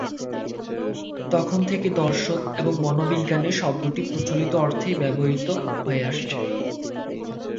তখন থেকে দর্শন এবং মনোবিজ্ঞানে শব্দটি প্রচলিত অর্থেই ব্যবহৃত হয়ে আসছে।